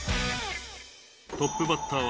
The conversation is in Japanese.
トップバッターは。